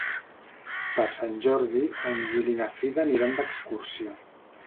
Per Sant Jordi en Gil i na Frida aniran d'excursió.